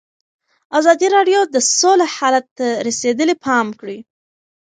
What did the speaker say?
ازادي راډیو د سوله حالت ته رسېدلي پام کړی.